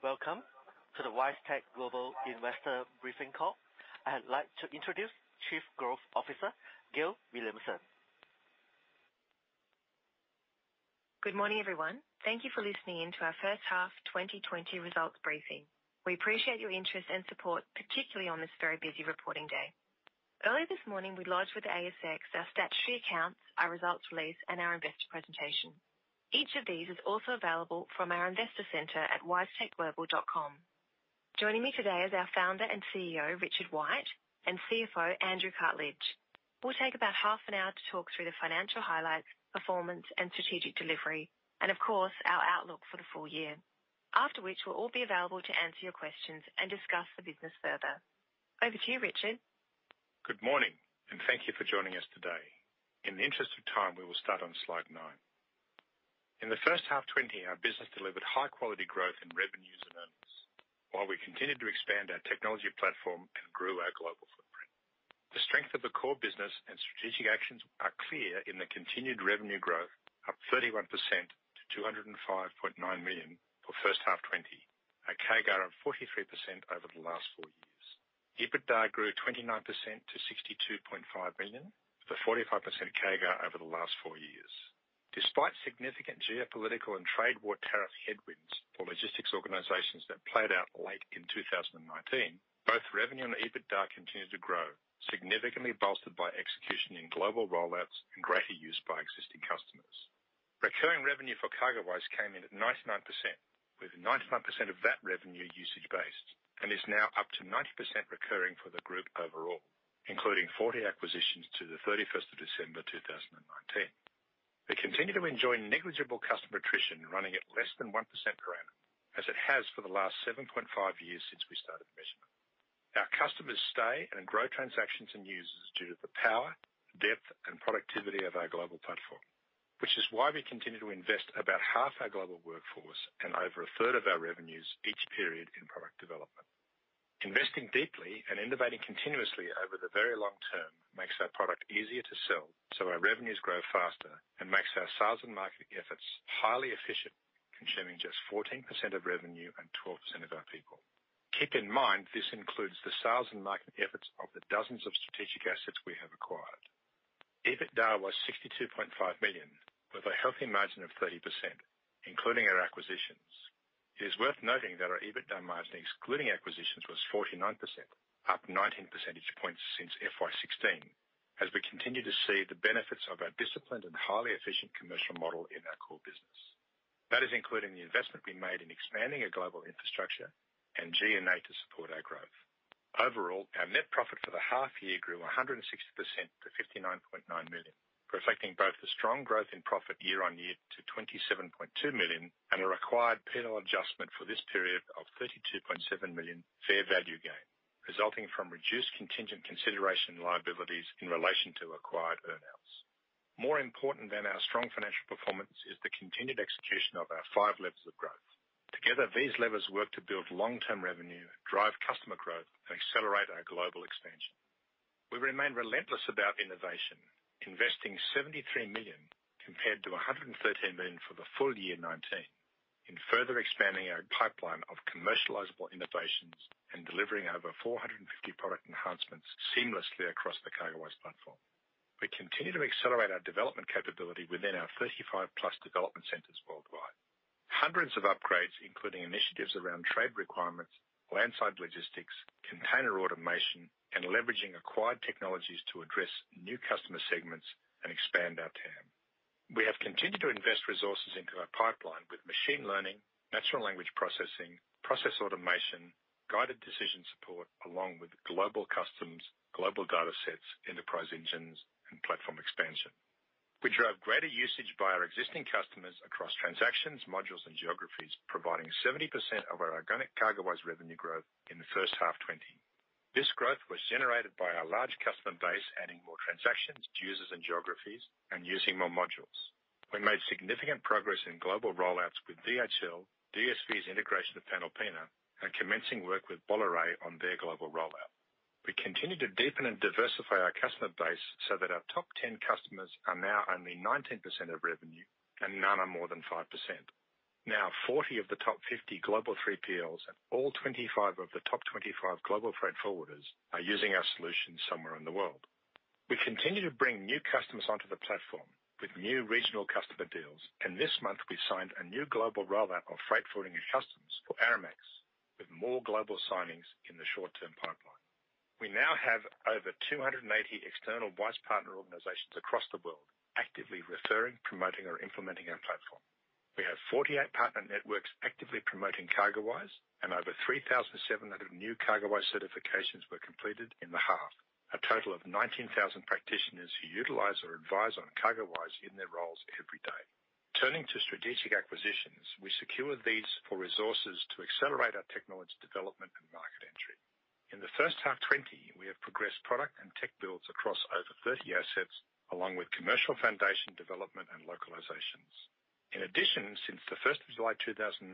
Welcome to the WiseTech Global investor briefing call. I'd like to introduce Chief Growth Officer Gail Williamson. Good morning, everyone. Thank you for listening in to our first half 2020 results briefing. We appreciate your interest and support, particularly on this very busy reporting day. Earlier this morning, we launched with the ASX our statutory accounts, our results release, and our investor presentation. Each of these is also available from our investor center at wisetechglobal.com. Joining me today is our founder and CEO, Richard White, and CFO, Andrew Cartledge. We'll take about half an hour to talk through the financial highlights, performance, and strategic delivery, and of course, our outlook for the full year, after which we'll all be available to answer your questions and discuss the business further. Over to you, Richard. Good morning, and thank you for joining us today. In the interest of time, we will start on slide nine. In the first half 2020, our business delivered high-quality growth in revenues and earnings while we continued to expand our technology platform and grew our global footprint. The strength of the core business and strategic actions are clear in the continued revenue growth of 31% to 205.9 million for first half 2020, a CAGR of 43% over the last four years. EBITDA grew 29% to 62.5 million, the 45% CAGR over the last four years. Despite significant geopolitical and trade war tariff headwinds for logistics organizations that played out late in 2019, both revenue and EBITDA continued to grow, significantly bolstered by execution in global rollouts and greater use by existing customers. Recurring revenue for CargoWise came in at 99%, with 99% of that revenue usage-based, and is now up to 90% recurring for the group overall, including 40 acquisitions to the 31st of December 2019. We continue to enjoy negligible customer attrition running at less than 1% per annum, as it has for the last 7.5 years since we started measurement. Our customers stay and grow transactions and users due to the power, depth, and productivity of our global platform, which is why we continue to invest about 1/2 our global workforce and over 1/3 of our revenues each period in product development. Investing deeply and innovating continuously over the very long term makes our product easier to sell, so our revenues grow faster and makes our sales and marketing efforts highly efficient, consuming just 14% of revenue and 12% of our people. Keep in mind this includes the sales and marketing efforts of the dozens of strategic assets we have acquired. EBITDA was 62.5 million, with a healthy margin of 30%, including our acquisitions. It is worth noting that our EBITDA margin, excluding acquisitions, was 49%, up 19 percentage points since FY 2016, as we continue to see the benefits of our disciplined and highly efficient commercial model in our core business. That is including the investment we made in expanding our global infrastructure and G&A to support our growth. Overall, our net profit for the half year grew 160% to 59.9 million, reflecting both the strong growth in profit year-on-year to 27.2 million and a required P&L adjustment for this period of 32.7 million fair value gain, resulting from reduced contingent consideration liabilities in relation to acquired earnings. More important than our strong financial performance is the continued execution of our five levels of growth. Together, these levels work to build long-term revenue, drive customer growth, and accelerate our global expansion. We remain relentless about innovation, investing 73 million compared to 113 million for the full year 2019, and further expanding our pipeline of commercializable innovations and delivering over 450 product enhancements seamlessly across the CargoWise platform. We continue to accelerate our development capability within our 35+ development centers worldwide, hundreds of upgrades, including initiatives around trade requirements, landside logistics, container automation, and leveraging acquired technologies to address new customer segments and expand our TAM. We have continued to invest resources into our pipeline with machine learning, natural language processing, process automation, guided decision support, along with global customs, global data sets, enterprise engines, and platform expansion. We drove greater usage by our existing customers across transactions, modules, and geographies, providing 70% of our organic CargoWise revenue growth in the first half 2020. This growth was generated by our large customer base adding more transactions, users, and geographies, and using more modules. We made significant progress in global rollouts with DHL, DSV's integration with Panalpina, and commencing work with Bolloré on their global rollout. We continue to deepen and diversify our customer base so that our top 10 customers are now only 19% of revenue and none are more than 5%. Now, 40 of the top 50 global 3PLs and all 25 of the top 25 global freight forwarders are using our solutions somewhere in the world. We continue to bring new customers onto the platform with new regional customer deals, and this month we signed a new global rollout of freight forwarding and customs for Aramex, with more global signings in the short-term pipeline. We now have over 280 external WisePartner organizations across the world actively referring, promoting, or implementing our platform. We have 48 partner networks actively promoting CargoWise, and over 3,700 new CargoWise certifications were completed in the half, a total of 19,000 practitioners who utilize or advise on CargoWise in their roles every day. Turning to strategic acquisitions, we secure these for resources to accelerate our technology development and market entry. In the first half 2020, we have progressed product and tech builds across over 30 assets, along with commercial foundation development and localizations. In addition, since the 1st of July 2019,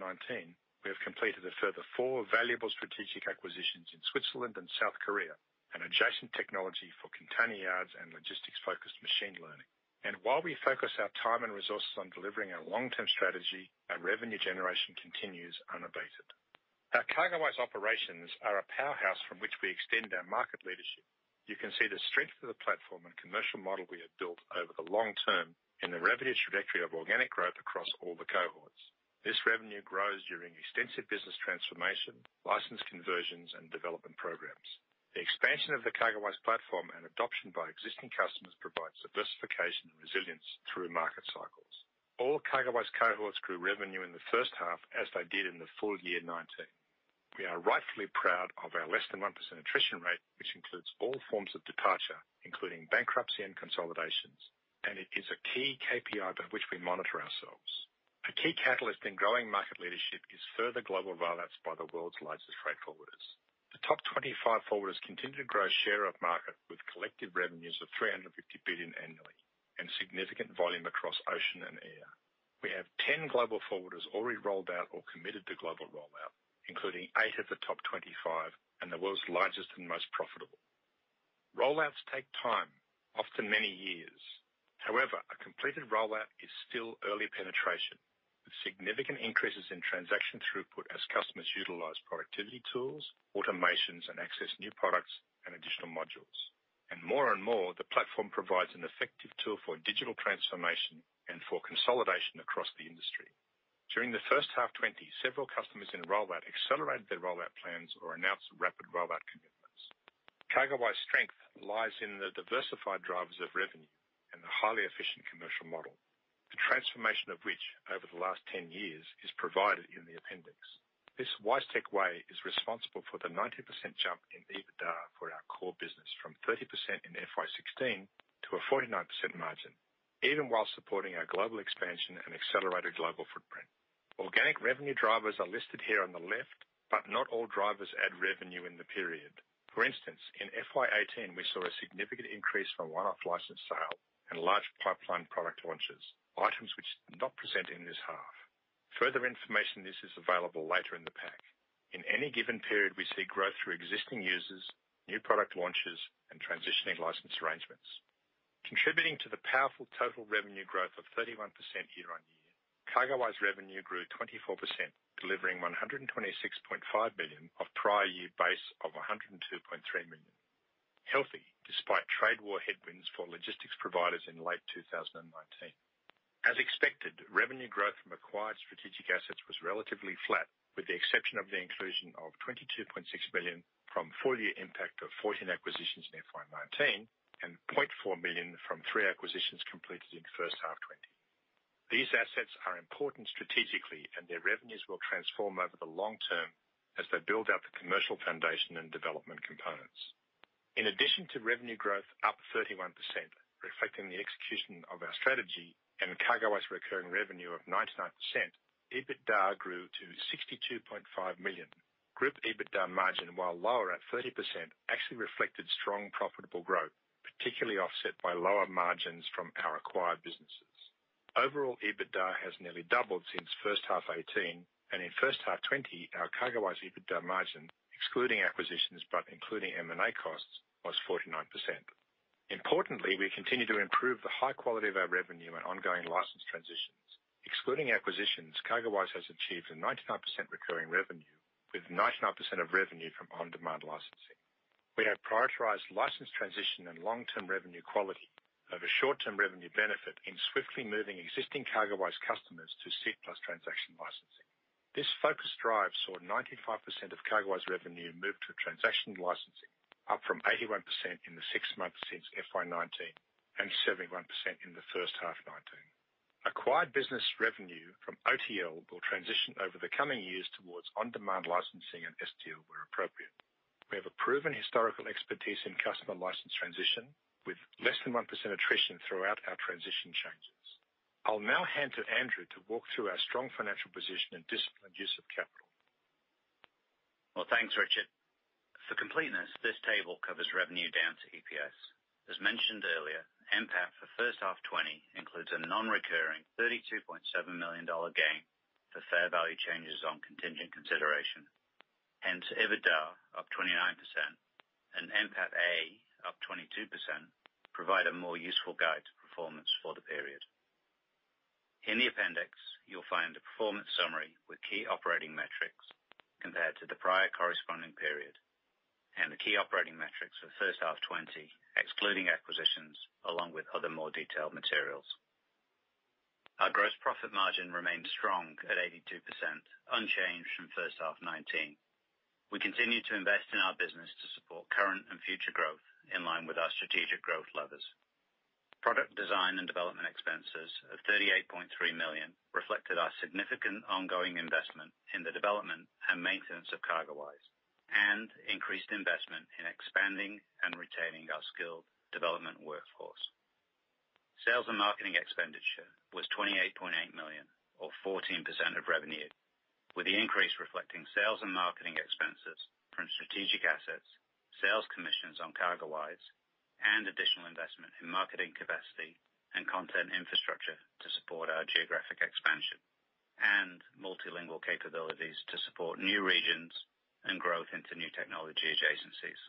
we have completed a further four valuable strategic acquisitions in Switzerland and South Korea and adjacent technology for container yards and logistics-focused machine learning. And while we focus our time and resources on delivering our long-term strategy, our revenue generation continues unabated. Our CargoWise operations are a powerhouse from which we extend our market leadership. You can see the strength of the platform and commercial model we have built over the long term in the revenue trajectory of organic growth across all the cohorts. This revenue grows during extensive business transformation, license conversions, and development programs. The expansion of the CargoWise platform and adoption by existing customers provides diversification and resilience through market cycles. All CargoWise cohorts grew revenue in the first half as they did in the full year 2019. We are rightfully proud of our less than 1%-attrition rate, which includes all forms of departure, including bankruptcy and consolidations, and it is a key KPI by which we monitor ourselves. A key catalyst in growing market leadership is further global rollouts by the world's largest freight forwarders. The top 25 forwarders continue to grow share of market with collective revenues of 350 billion annually and significant volume across ocean and air. We have 10 global forwarders already rolled out or committed to global rollout, including eight of the top 25 and the world's largest and most profitable. Rollouts take time, often many years. However, a completed rollout is still early penetration, with significant increases in transaction throughput as customers utilize productivity tools, automations, and access new products and additional modules. And more and more, the platform provides an effective tool for digital transformation and for consolidation across the industry. During the first half 2020, several customers in rollout accelerated their rollout plans or announced rapid rollout commitments. CargoWise strength lies in the diversified drivers of revenue and the highly efficient commercial model, the transformation of which over the last 10 years is provided in the appendix. This WiseTech Way is responsible for the 90% jump in EBITDA for our core business from 30% in FY16 to a 49% margin, even while supporting our global expansion and accelerated global footprint. Organic revenue drivers are listed here on the left, but not all drivers add revenue in the period. For instance, in FY18, we saw a significant increase from one-off license sale and large pipeline product launches, items which did not present in this half. Further information on this is available later in the pack. In any given period, we see growth through existing users, new product launches, and transitioning license arrangements. Contributing to the powerful total revenue growth of 31% year-on-year, CargoWise revenue grew 24%, delivering 126.5 million off prior-year base of 102.3 million, healthy despite trade war headwinds for logistics providers in late 2019. As expected, revenue growth from acquired strategic assets was relatively flat, with the exception of the inclusion of 22.6 million from full-year impact of 14 acquisitions in FY 2019 and 0.4 million from three acquisitions completed in the first half of 2020. These assets are important strategically, and their revenues will transform over the long term as they build out the commercial foundation and development components. In addition to revenue growth up 31%, reflecting the execution of our strategy and CargoWise recurring revenue of 99%, EBITDA grew to 62.5 million. Group EBITDA margin, while lower at 30%, actually reflected strong profitable growth, particularly offset by lower margins from our acquired businesses. Overall, EBITDA has nearly doubled since first half 2018, and in first half 2020, our CargoWise EBITDA margin, excluding acquisitions but including M&A costs, was 49%. Importantly, we continue to improve the high quality of our revenue and ongoing license transitions. Excluding acquisitions, CargoWise has achieved a 99% recurring revenue, with 99% of revenue from on-demand licensing. We have prioritized license transition and long-term revenue quality over short-term revenue benefit in swiftly moving existing CargoWise customers to seat-plus transaction licensing. This focused drive saw 95% of CargoWise revenue move to transaction licensing, up from 81% in the six months since FY 2019 and 71% in the first half 2019. Acquired business revenue from OTL will transition over the coming years towards on-demand licensing and STL where appropriate. We have a proven historical expertise in customer license transition, with less than 1% attrition throughout our transition changes. I'll now hand to Andrew to walk through our strong financial position and disciplined use of capital. Thanks, Richard. For completeness, this table covers revenue down to EPS. As mentioned earlier, NPAT for first half 2020 includes a non-recurring 32.7 million dollar gain for fair-value changes on contingent consideration. Hence, EBITDA up 29% and NPAT up 22% provide a more useful guide to performance for the period. In the appendix, you'll find a performance summary with key operating metrics compared to the prior corresponding period and the key operating metrics for first half 2020, excluding acquisitions, along with other more detailed materials. Our gross profit margin remained strong at 82%, unchanged from first half 2019. We continue to invest in our business to support current and future growth in line with our strategic growth levers. Product design and development expenses of 38.3 million reflected our significant ongoing investment in the development and maintenance of CargoWise and increased investment in expanding and retaining our skill development workforce. Sales and marketing expenditure was 28.8 million, or 14% of revenue, with the increase reflecting sales and marketing expenses from strategic assets, sales commissions on CargoWise, and additional investment in marketing capacity and content infrastructure to support our geographic expansion and multilingual capabilities to support new regions and growth into new technology adjacencies.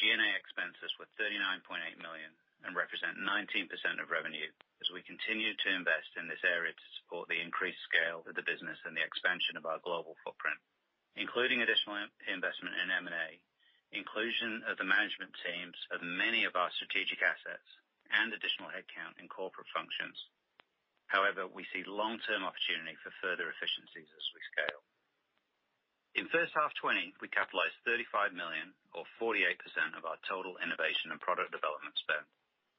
G&A expenses were 39.8 million and represent 19% of revenue as we continue to invest in this area to support the increased scale of the business and the expansion of our global footprint, including additional investment in M&A, inclusion of the management teams of many of our strategic assets, and additional headcount in corporate functions. However, we see long-term opportunity for further efficiencies as we scale. In first half 2020, we capitalized $35 million, or 48% of our total innovation and product development spend,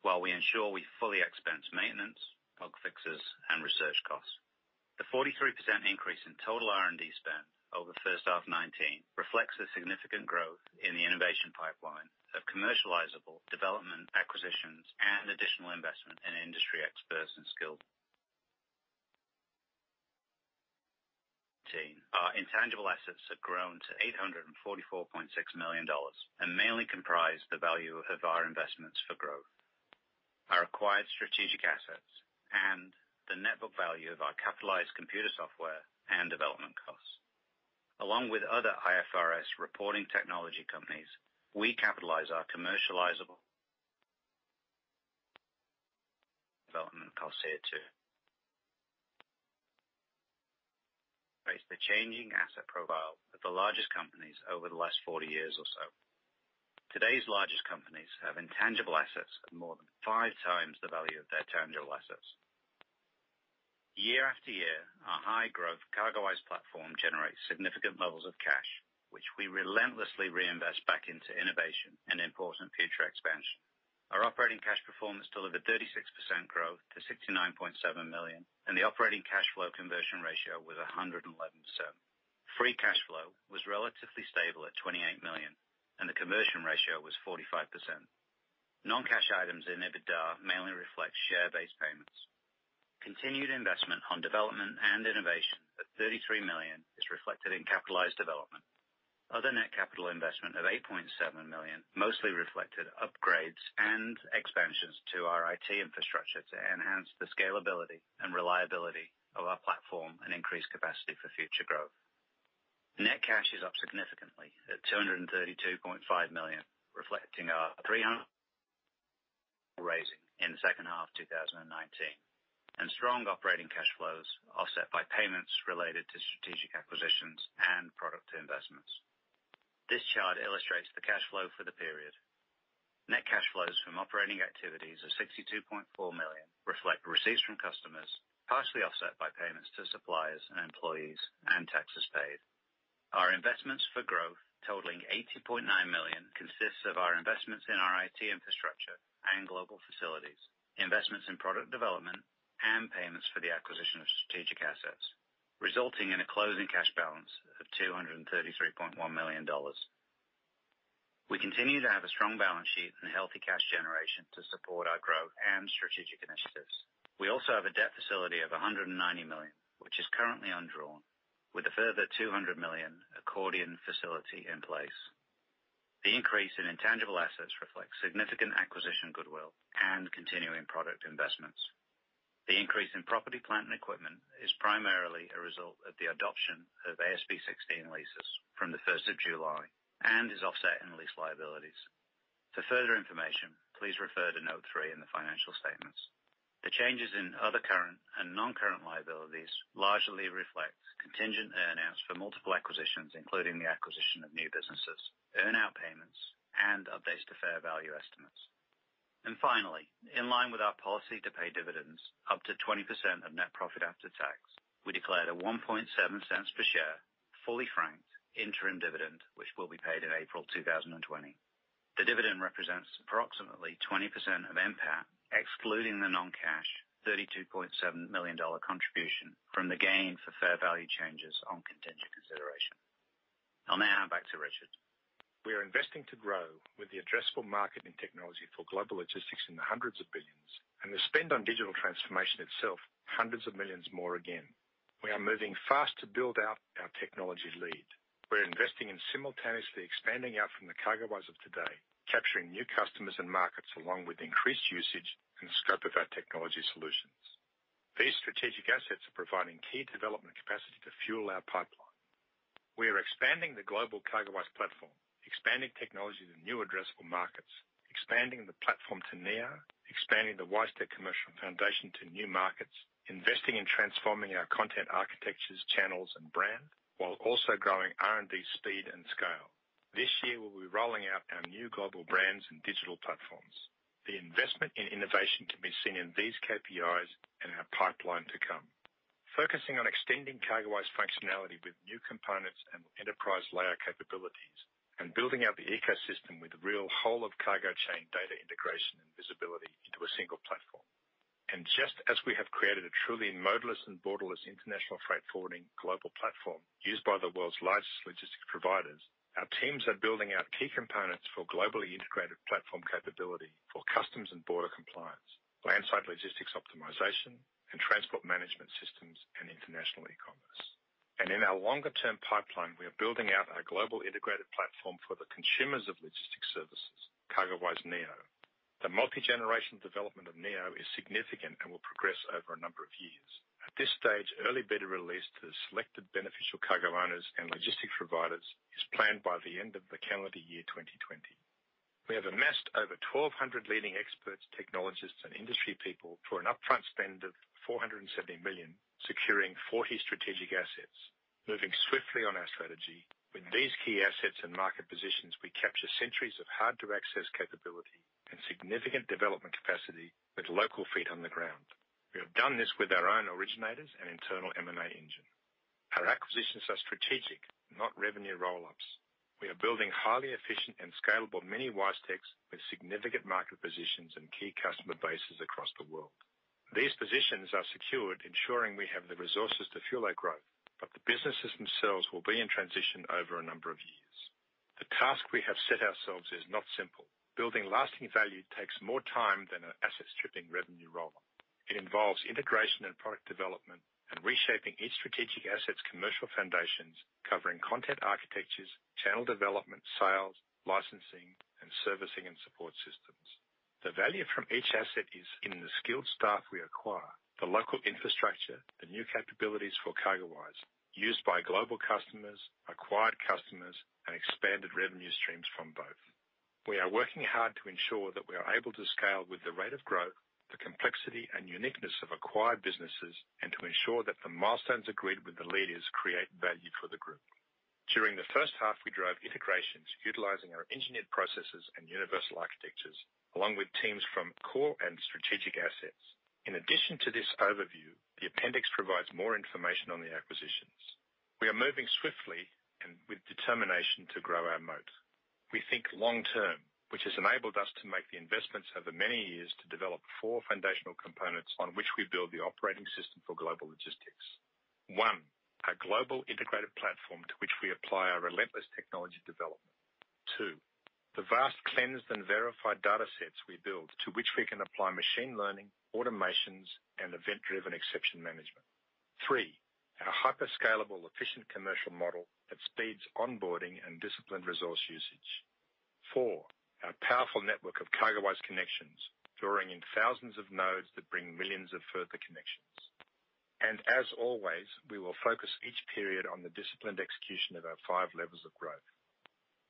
while we ensure we fully expense maintenance, bug fixes, and research costs. The 43% increase in total R&D spend over first half 2019 reflects the significant growth in the innovation pipeline of commercializable development acquisitions and additional investment in industry experts and skilled team. Our intangible assets have grown to $844.6 million and mainly comprise the value of our investments for growth, our acquired strategic assets, and the net book value of our capitalized computer software and development costs. Along with other IFRS reporting technology companies, we capitalize our commercializable development costs here too. It's the changing asset profile of the largest companies over the last 40 years or so. Today's largest companies have intangible assets of more than five times the value of their tangible assets. Year-after-year, our high-growth CargoWise platform generates significant levels of cash, which we relentlessly reinvest back into innovation and important future expansion. Our operating cash performance delivered 36% growth to 69.7 million, and the operating cash flow conversion ratio was 111%. Free cash flow was relatively stable at 28 million, and the conversion ratio was 45%. Non-cash items in EBITDA mainly reflect share-based payments. Continued investment on development and innovation of 33 million is reflected in capitalized development. Other net capital investment of 8.7 million mostly reflected upgrades and expansions to our IT infrastructure to enhance the scalability and reliability of our platform and increase capacity for future growth. Net cash is up significantly at 232.5 million, reflecting our 300 million raising in the second half of 2019, and strong operating cash flows offset by payments related to strategic acquisitions and product investments. This chart illustrates the cash flow for the period. Net cash flows from operating activities of 62.4 million reflect receipts from customers, partially offset by payments to suppliers and employees and taxes paid. Our investments for growth, totaling 80.9 million, consist of our investments in our IT infrastructure and global facilities, investments in product development, and payments for the acquisition of strategic assets, resulting in a closing cash balance of 233.1 million dollars. We continue to have a strong balance sheet and healthy cash generation to support our growth and strategic initiatives. We also have a debt facility of 190 million, which is currently undrawn, with a further 200 million accordion facility in place. The increase in intangible assets reflects significant acquisition goodwill and continuing product investments. The increase in property plant and equipment is primarily a result of the adoption of AASB 16 Leases from the 1st of July and is offset in lease liabilities. For further information, please refer to note three in the financial statements. The changes in other current and non-current liabilities largely reflect contingent earnings for multiple acquisitions, including the acquisition of new businesses, earnout payments, and updates to fair-value estimates. Finally, in line with our policy to pay dividends up to 20% of net profit after tax, we declared 0.017 per share fully franked interim dividend, which will be paid in April 2020. The dividend represents approximately 20% of NPAT, excluding the non-cash 32.7 million dollar contribution from the gain for fair value changes on contingent consideration. I'll now hand back to Richard. We are investing to grow with the addressable market in technology for global logistics in the hundreds of billions, and the spend on digital transformation itself, hundreds of millions more again. We are moving fast to build out our technology lead. We're investing in simultaneously expanding out from the CargoWise of today, capturing new customers and markets along with increased usage and scope of our technology solutions. These strategic assets are providing key development capacity to fuel our pipeline. We are expanding the global CargoWise platform, expanding technology to new addressable markets, expanding the platform to Neo, expanding the WiseTech commercial foundation to new markets, investing in transforming our content architectures, channels, and brand, while also growing R&D speed and scale. This year, we'll be rolling out our new global brands and digital platforms. The investment in innovation can be seen in these KPIs and our pipeline to come, focusing on extending CargoWise functionality with new components and enterprise layer capabilities, and building out the ecosystem with real whole-of-cargo chain data integration and visibility into a single platform. And just as we have created a truly modeless and borderless international freight forwarding global platform used by the world's largest logistics providers, our teams are building out key components for globally integrated platform capability for customs and border compliance, landside logistics optimization, and transport management systems and international e-commerce. And in our longer-term pipeline, we are building out our global integrated platform for the consumers of logistics services, CargoWise Neo. The multi-generational development of Neo is significant and will progress over a number of years. At this stage, early beta release to the selected beneficial cargo owners and logistics providers is planned by the end of the calendar year 2020. We have amassed over 1,200 leading experts, technologists, and industry people for an upfront spend of 470 million, securing 40 strategic assets, moving swiftly on our strategy. With these key assets and market positions, we capture centuries of hard-to-access capability and significant development capacity with local feet on the ground. We have done this with our own originators and internal M&A engine. Our acquisitions are strategic, not revenue roll-ups. We are building highly efficient and scalable mini WiseTechs with significant market positions and key customer bases across the world. These positions are secured, ensuring we have the resources to fuel our growth, but the businesses themselves will be in transition over a number of years. The task we have set ourselves is not simple. Building lasting value takes more time than an asset-stripping revenue roll-up. It involves integration and product development and reshaping each strategic asset's commercial foundations, covering content architectures, channel development, sales, licensing, and servicing and support systems. The value from each asset is in the skilled staff we acquire, the local infrastructure, the new capabilities for CargoWise, used by global customers, acquired customers, and expanded revenue streams from both. We are working hard to ensure that we are able to scale with the rate of growth, the complexity, and uniqueness of acquired businesses, and to ensure that the milestones agreed with the leaders create value for the group. During the first half, we drove integrations utilizing our engineered processes and universal architectures, along with teams from core and strategic assets. In addition to this overview, the appendix provides more information on the acquisitions. We are moving swiftly and with determination to grow our moat. We think long-term, which has enabled us to make the investments over many years to develop four foundational components on which we build the operating system for global logistics. One, our global integrated platform to which we apply our relentless technology development. Two, the vast cleansed and verified data sets we build to which we can apply machine learning, automations, and event-driven exception management. Three, our hyperscalable, efficient commercial model that speeds onboarding and disciplined resource usage. Four, our powerful network of CargoWise connections drawing in thousands of nodes that bring millions of further connections. And as always, we will focus each period on the disciplined execution of our five levels of growth.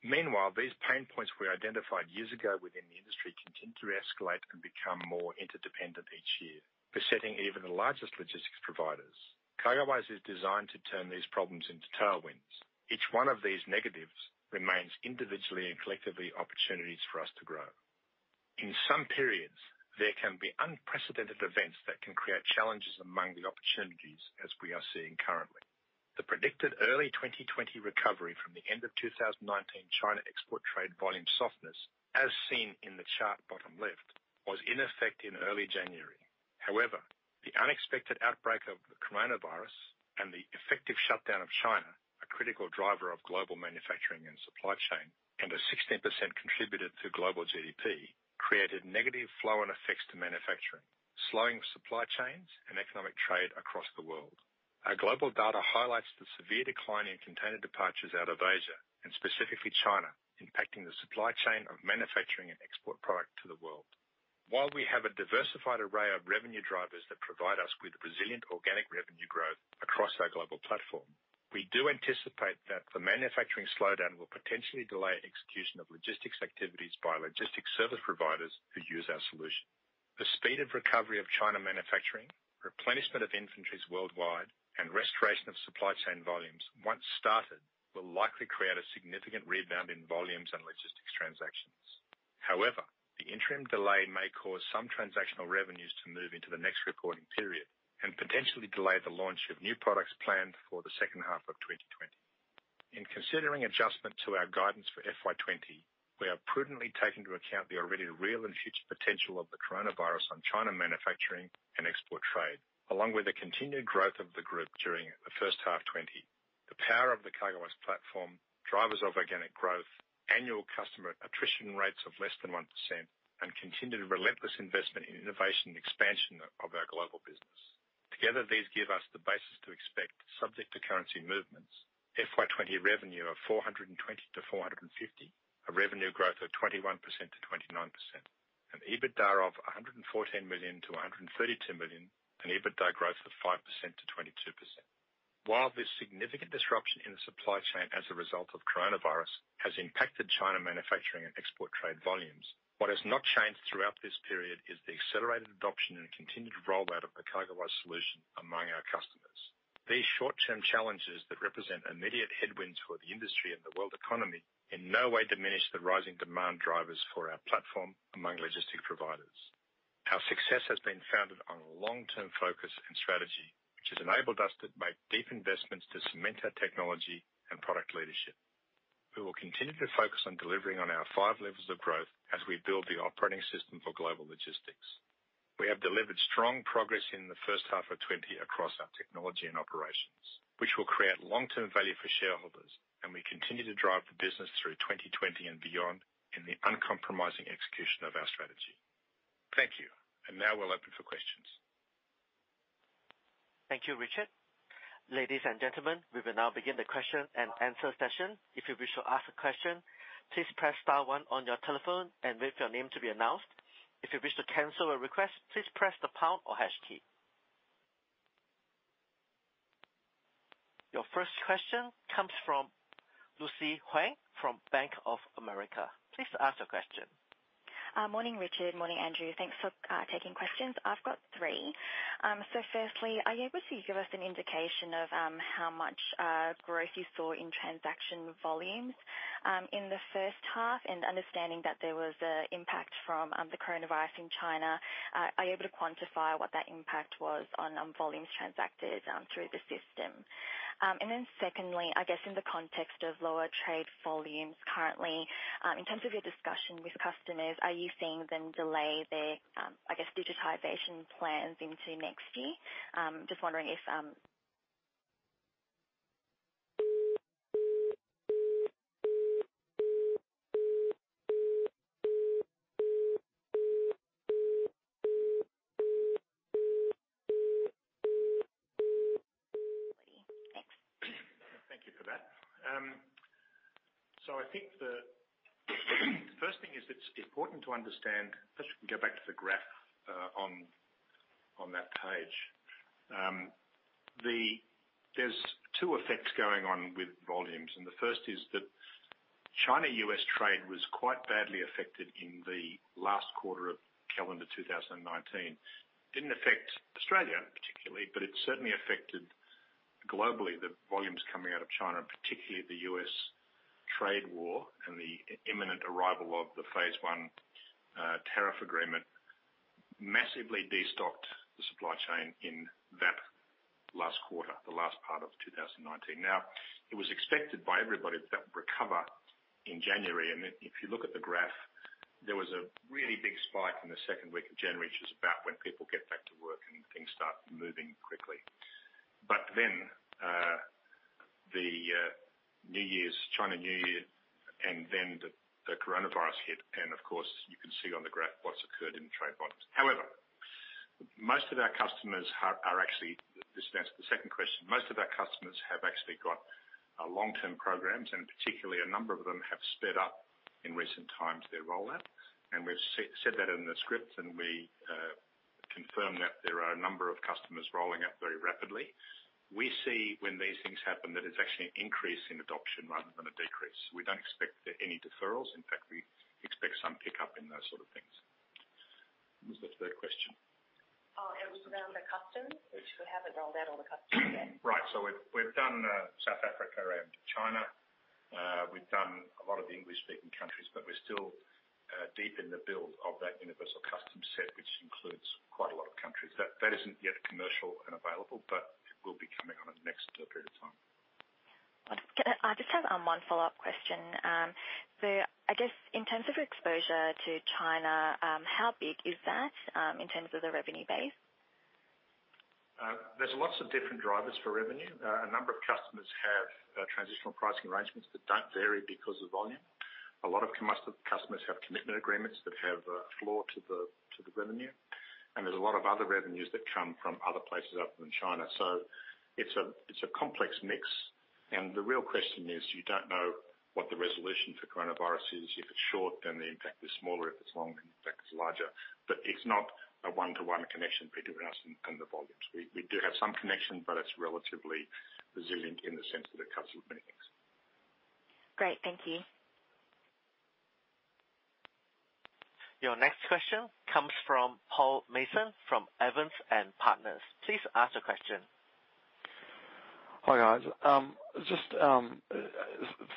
Meanwhile, these pain points we identified years ago within the industry continue to escalate and become more interdependent each year, besetting even the largest logistics providers. CargoWise is designed to turn these problems into tailwinds. Each one of these negatives remains individually and collectively opportunities for us to grow. In some periods, there can be unprecedented events that can create challenges among the opportunities as we are seeing currently. The predicted early 2020 recovery from the end of 2019 China export trade volume softness, as seen in the chart bottom left, was in effect in early January. However, the unexpected outbreak of the coronavirus and the effective shutdown of China, a critical driver of global manufacturing and supply chain, and a 16% contributed to global GDP created negative flow and effects to manufacturing, slowing supply chains and economic trade across the world. Our global data highlights the severe decline in container departures out of Asia and specifically China, impacting the supply chain of manufacturing and export product to the world. While we have a diversified array of revenue drivers that provide us with resilient organic revenue growth across our global platform, we do anticipate that the manufacturing slowdown will potentially delay execution of logistics activities by logistics service providers who use our solution. The speed of recovery of China manufacturing, replenishment of inventories worldwide, and restoration of supply chain volumes, once started, will likely create a significant rebound in volumes and logistics transactions. However, the interim delay may cause some transactional revenues to move into the next reporting period and potentially delay the launch of new products planned for the second half of 2020. In considering adjustment to our guidance for FY 2020, we are prudently taking into account the already real and future potential of the coronavirus on China manufacturing and export trade, along with the continued growth of the group during the first half 2020, the power of the CargoWise platform, drivers of organic growth, annual customer attrition rates of less than 1%, and continued relentless investment in innovation and expansion of our global business. Together, these give us the basis to expect, subject to currency movements, FY 2020 revenue of 420 million-450 million, a revenue growth of 21%-29%, an EBITDA of 114 million-132 million, and EBITDA growth of 5%-22%. While this significant disruption in the supply chain as a result of coronavirus has impacted China manufacturing and export trade volumes, what has not changed throughout this period is the accelerated adoption and continued rollout of the CargoWise solution among our customers. These short-term challenges that represent immediate headwinds for the industry and the world economy in no way diminish the rising demand drivers for our platform among logistics providers. Our success has been founded on a long-term focus and strategy, which has enabled us to make deep investments to cement our technology and product leadership. We will continue to focus on delivering on our five levels of growth as we build the operating system for global logistics. We have delivered strong progress in the first half of 2020 across our technology and operations, which will create long-term value for shareholders, and we continue to drive the business through 2020 and beyond in the uncompromising execution of our strategy. Thank you, and now we'll open for questions. Thank you, Richard. Ladies and gentlemen, we will now begin the question and answer session. If you wish to ask a question, please press star one on your telephone and wait for your name to be announced. If you wish to cancel a request, please press the pound or hash key. Your first question comes from Lucy Huang from Bank of America. Please ask your question. Morning, Richard. Morning, Andrew. Thanks for taking questions. I've got three. So firstly, are you able to give us an indication of how much growth you saw in transaction volumes in the first half? And understanding that there was an impact from the coronavirus in China, are you able to quantify what that impact was on volumes transacted through the system? And then secondly, I guess in the context of lower trade volumes currently, in terms of your discussion with customers, are you seeing them delay their, I guess, digitization plans into next year? Just wondering if. Thanks. Thank you for that. So I think the first thing is it's important to understand, if we can go back to the graph on that page, there's two effects going on with volumes. And the first is that China-U.S. trade was quite badly affected in the last quarter of calendar 2019. It didn't affect Australia particularly, but it certainly affected globally the volumes coming out of China, particularly the U.S. trade war and the imminent arrival of the phase I tariff agreement massively destocked the supply chain in that last quarter, the last part of 2019. Now, it was expected by everybody that that would recover in January. And if you look at the graph, there was a really big spike in the second week of January, which is about when people get back to work and things start moving quickly. But then the New Year, Chinese New Year, and then the coronavirus hit. And of course, you can see on the graph what has occurred in trade volumes. However, most of our customers are actually this is the answer to the second question. Most of our customers have actually got long-term programs, and particularly a number of them have sped up in recent times their rollout. And we have said that in the script, and we confirm that there are a number of customers rolling out very rapidly. We see when these things happen that it is actually an increase in adoption rather than a decrease. We do not expect any deferrals. In fact, we expect some pickup in those sort of things. What was the third question? Oh, it was around the customs, which we haven't rolled out all the customs yet. Right. So we've done South Africa and China. We've done a lot of the English-speaking countries, but we're still deep in the build of that universal customs set, which includes quite a lot of countries. That isn't yet commercial and available, but it will be coming on in the next period of time. I just have one follow-up question. So I guess in terms of your exposure to China, how big is that in terms of the revenue base? There's lots of different drivers for revenue. A number of customers have transitional pricing arrangements that don't vary because of volume. A lot of customers have commitment agreements that have a floor to the revenue. And there's a lot of other revenues that come from other places other than China. So it's a complex mix. And the real question is you don't know what the resolution for coronavirus is. If it's short, then the impact is smaller. If it's long, then the impact is larger. But it's not a one-to-one connection between us and the volumes. We do have some connection, but it's relatively resilient in the sense that it covers many things. Great. Thank you. Your next question comes from Paul Mason from Evans and Partners. Please ask the question. Hi, guys. Just the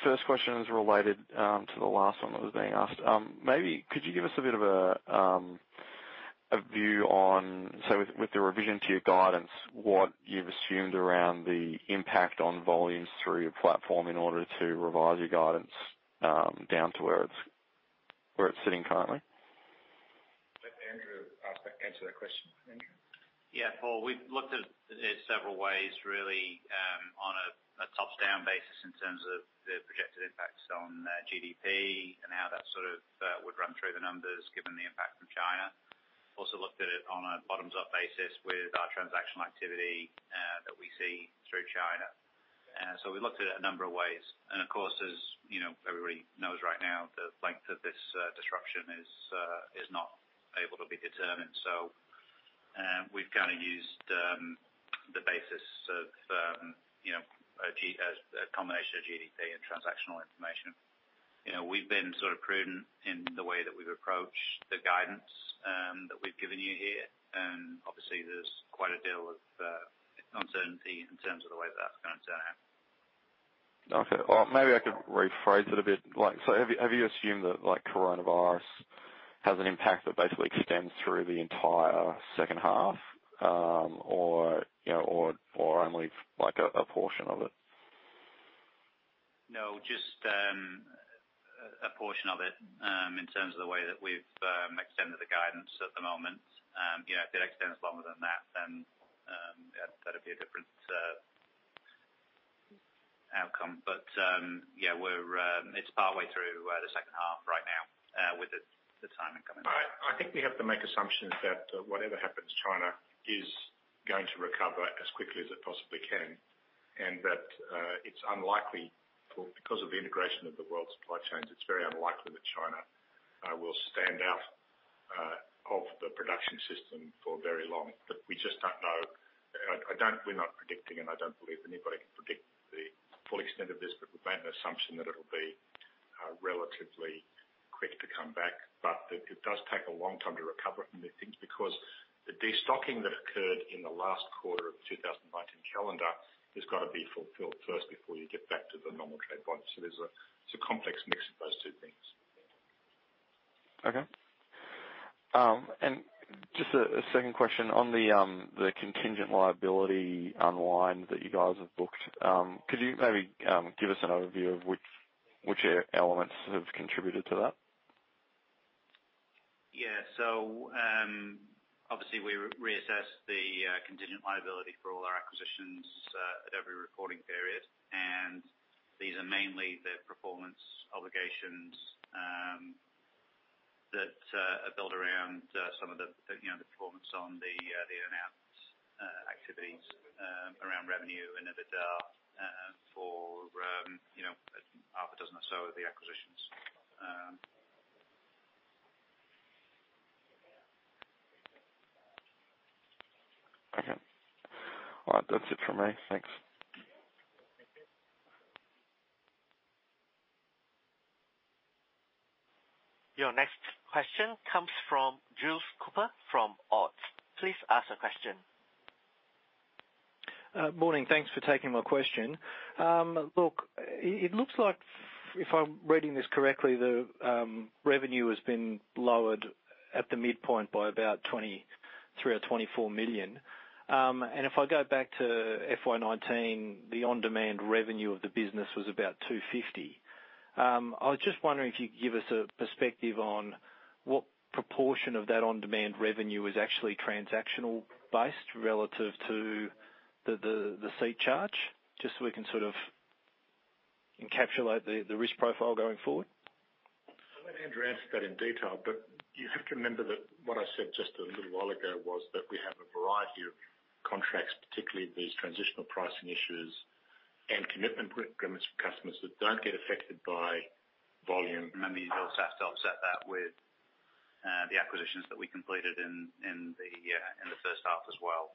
first question is related to the last one that was being asked. Maybe could you give us a bit of a view on, say, with the revision to your guidance, what you've assumed around the impact on volumes through your platform in order to revise your guidance down to where it's sitting currently? Andrew, answer that question. Yeah, Paul. We've looked at it several ways, really, on a top-down basis in terms of the projected impacts on GDP and how that sort of would run through the numbers given the impact from China. Also looked at it on a bottoms-up basis with our transactional activity that we see through China. So we looked at it a number of ways. And of course, as everybody knows right now, the length of this disruption is not able to be determined. So we've kind of used the basis of a combination of GDP and transactional information. We've been sort of prudent in the way that we've approached the guidance that we've given you here. And obviously, there's quite a deal of uncertainty in terms of the way that that's going to turn out. Okay, well, maybe I could rephrase it a bit. So have you assumed that coronavirus has an impact that basically extends through the entire second half or only a portion of it? No, just a portion of it in terms of the way that we've extended the guidance at the moment. If it extends longer than that, then that'd be a different outcome, but yeah, it's partway through the second half right now with the timing coming along. I think we have to make assumptions that whatever happens, China is going to recover as quickly as it possibly can, and that it's unlikely because of the integration of the world supply chains, it's very unlikely that China will stand out of the production system for very long, but we just don't know. We're not predicting, and I don't believe anybody can predict the full extent of this, but we've made an assumption that it'll be relatively quick to come back, but it does take a long time to recover from these things because the destocking that occurred in the last quarter of 2019 calendar has got to be fulfilled first before you get back to the normal trade volume, so it's a complex mix of those two things. Okay. And just a second question on the contingent liability online that you guys have booked. Could you maybe give us an overview of which elements have contributed to that? Yeah. So obviously, we reassess the contingent liability for all our acquisitions at every reporting period. And these are mainly the performance obligations that are built around some of the performance on the in-house activities around revenue and EBITDA for half a dozen or so of the acquisitions. Okay. All right. That's it from me. Thanks. Your next question comes from Jules Cooper from Ord. Please ask the question. Morning. Thanks for taking my question. Look, it looks like if I'm reading this correctly, the revenue has been lowered at the midpoint by about 23 million or 24 million. If I go back to FY 2019, the on-demand revenue of the business was about 250 million. I was just wondering if you could give us a perspective on what proportion of that on-demand revenue is actually transaction-based relative to the seat charge, just so we can sort of encapsulate the risk profile going forward. I'll let Andrew answer that in detail, but you have to remember that what I said just a little while ago was that we have a variety of contracts, particularly these transitional pricing issues and commitment agreements for customers that don't get affected by volume. You also have to offset that with the acquisitions that we completed in the first half as well.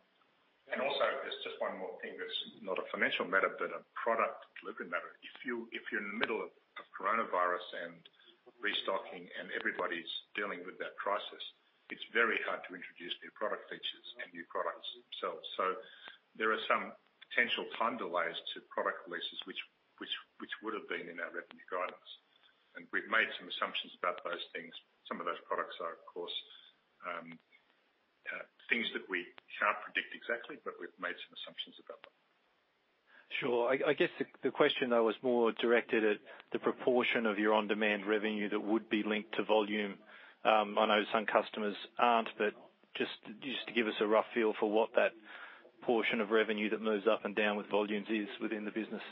Also, there's just one more thing that's not a financial matter, but a product-delivery matter. If you're in the middle of coronavirus and restocking and everybody's dealing with that crisis, it's very hard to introduce new product features and new products themselves, so there are some potential time delays to product releases which would have been in our revenue guidance, and we've made some assumptions about those things. Some of those products are, of course, things that we can't predict exactly, but we've made some assumptions about them. Sure. I guess the question, though, was more directed at the proportion of your on-demand revenue that would be linked to volume. I know some customers aren't, but just to give us a rough feel for what that portion of revenue that moves up and down with volumes is within the business.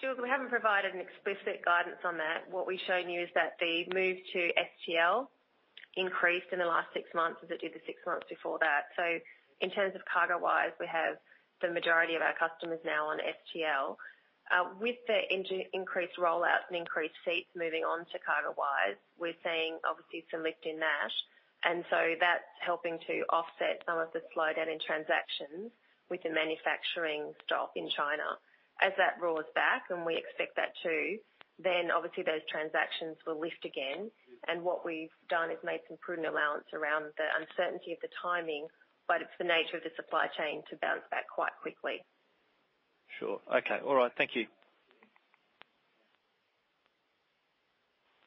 Jules, we haven't provided an explicit guidance on that. What we've shown you is that the move to STL increased in the last six months as it did the six months before that. So in terms of CargoWise, we have the majority of our customers now on STL. With the increased rollout and increased seats moving on to CargoWise, we're seeing, obviously, some lift in that. And so that's helping to offset some of the slowdown in transactions with the manufacturing stop in China. As that rolls back, and we expect that to, then obviously those transactions will lift again. And what we've done is made some prudent allowance around the uncertainty of the timing, but it's the nature of the supply chain to bounce back quite quickly. Sure. Okay. All right. Thank you.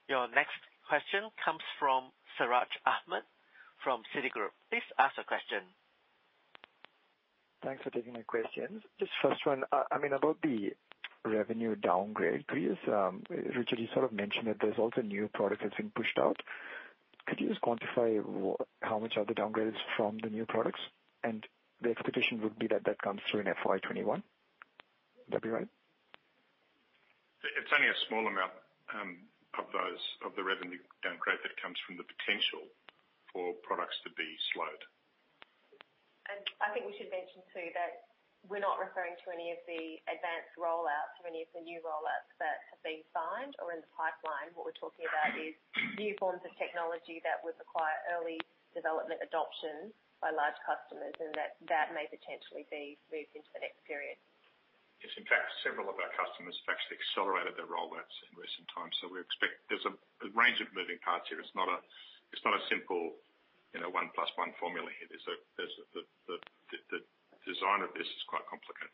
Your next question comes from Siraj Ahmed from Citigroup. Please ask the question. Thanks for taking my questions. Just first one, I mean, about the revenue downgrade, Richard, you sort of mentioned that there's also new products that have been pushed out. Could you just quantify how much of the downgrade is from the new products? And the expectation would be that that comes through in FY 2021? Would that be right? It's only a small amount of the revenue downgrade that comes from the potential for products to be slowed. And I think we should mention too that we're not referring to any of the advanced rollouts or any of the new rollouts that have been signed or in the pipeline. What we're talking about is new forms of technology that would require early development adoption by large customers, and that may potentially be moved into the next period. Yes. In fact, several of our customers have actually accelerated their rollouts in recent times. So we expect there's a range of moving parts here. It's not a simple one-plus-one formula here. The design of this is quite complicated.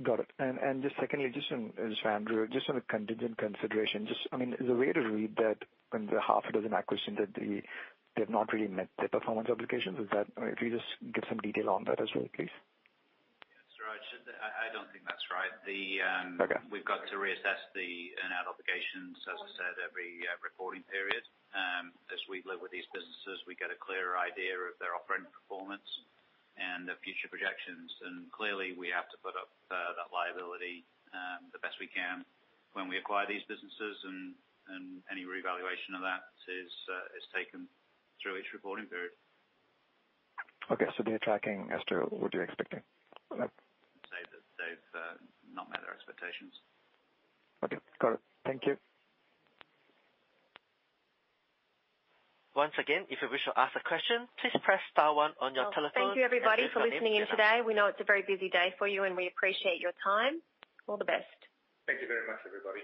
Got it. And just secondly, just for Andrew, just on a contingent consideration, I mean, is the way to read that when there's half a dozen acquisitions, that they've not really met their performance obligations? If you just give some detail on that as well, please. That's right. I don't think that's right. We've got to reassess the earn-out obligations, as I said, every reporting period. As we deal with these businesses, we get a clearer idea of their operating performance and their future projections. And clearly, we have to put up that liability the best we can when we acquire these businesses. And any reevaluation of that is taken through each reporting period. Okay. So they're tracking as to what you're expecting? Say that they've not met their expectations. Okay. Got it. Thank you. Once again, if you wish to ask a question, please press star one on your telephone. Thank you, everybody, for listening in today. We know it's a very busy day for you, and we appreciate your time. All the best. Thank you very much, everybody.